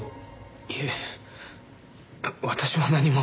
いえ私は何も。